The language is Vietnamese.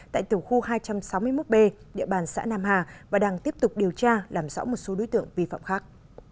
tại tiểu khu hai trăm sáu mươi một b địa bàn xã nam hà và đang tiếp tục điều tra làm rõ một số đối tượng vi phạm khác